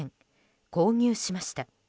購入しました。